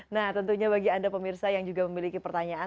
nah tentunya bagi anda pemirsa yang juga memiliki pertanyaan